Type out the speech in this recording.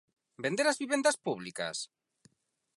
¿Vender as vivendas públicas?